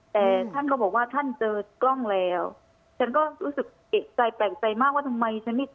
แต่ท่านก็บอกว่าท่านเจอกล้องแล้วฉันก็รู้สึกเอกใจแปลกใจมากว่าทำไมฉันไม่เจอ